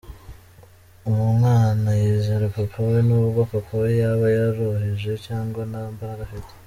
Umwana yizera Papa we nubwo Papa we yaba yoroheje, cyangwa nta mbaraga afite.